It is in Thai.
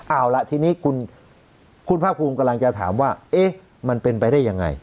เอาล่ะทีนี้คุณภาคภูมิกำลังจะถามว่าเอ๊ะมันเป็นไปได้ยังไง